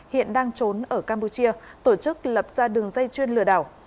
hiện đang trốn ở campuchia tổ chức lập ra đường dây chuyên lừa đảo